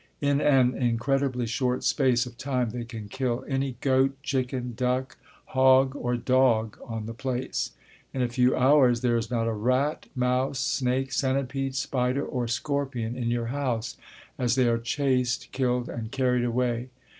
In an incredibly short space of time they can kill any goat, chicken, duck, hog or dog on the place. In a few hours there is not a rat, mouse, snake, centipede, spider, or scorpion in your house, as they are chased, killed and carried away.